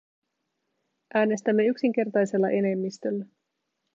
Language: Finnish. Äänestämme yksinkertaisella enemmistöllä.